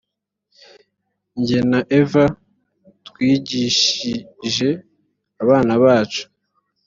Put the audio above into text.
jye na eva twigishije abana bacu